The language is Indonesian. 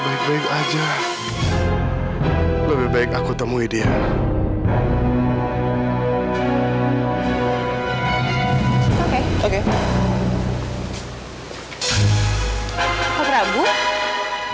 baik baik aja lebih baik aku temui dia oke oke